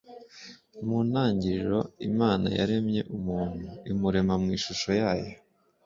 Muntangiriro Imana yaremye umuntu imurema mwishusho yayo